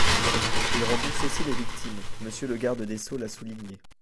Ils remboursent aussi les victimes – Monsieur le garde des sceaux l’a souligné.